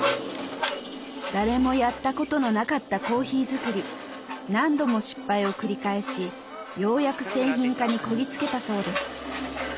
誰もやったことのなかった珈琲作り何度も失敗を繰り返しようやく製品化にこぎ着けたそうです